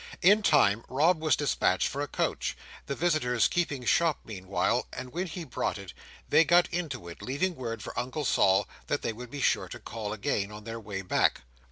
In time, Rob was despatched for a coach, the visitors keeping shop meanwhile; and when he brought it, they got into it, leaving word for Uncle Sol that they would be sure to call again, on their way back.